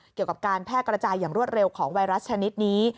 เกี่ยวกับการแพร่กระจายอย่างรวดเร็วของไวรัสชนิดนี้